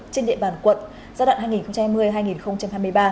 trên địa bàn quận giai đoạn hai nghìn hai mươi hai nghìn hai mươi ba